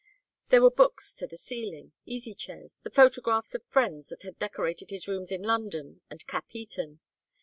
There were books to the ceiling, easy chairs, the photographs of friends that had decorated his rooms in London and Capheaton.